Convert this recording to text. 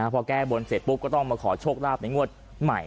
พอแก้บนเสร็จปุ๊บก็ต้องมาขอโชคลาภในงวดใหม่